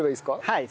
はい。